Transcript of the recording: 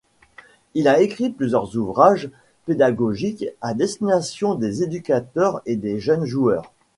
Il a écrit plusieurs ouvrages pédagogiques à destination des éducateurs et des jeunes joueurs.